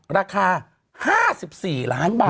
ราคา๕๔ล้านบาท